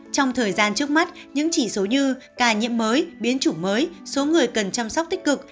trong thời gian trước mắt những chỉ số như ca nhiễm mới biến chủng mới số người cần chăm sóc tích cực